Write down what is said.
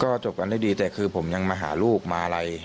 ก็จบกันได้ดีแต่คือผมยังมาหาลูกมาอะไร